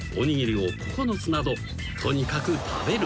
［とにかく食べる］